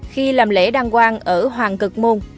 khi làm lễ đăng quan ở hoàng cực môn